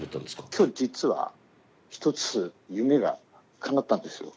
きょう実は一つ夢がかなったんですよ。